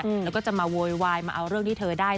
อืมแล้วก็จะมาโวยวายมาเอาเรื่องที่เธอได้